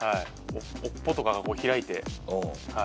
尾っぽとかが開いて。